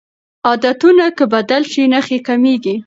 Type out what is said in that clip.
عادتونه که بدل شي نښې کمېږي.